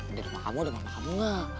ini rumah kamu